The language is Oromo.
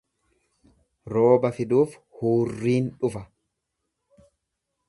Rooba fiduuf huurriin dhufa.